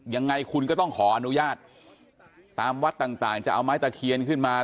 ยังไงคุณก็ต้องขออนุญาตตามวัดต่างจะเอาไม้ตะเคียนขึ้นมา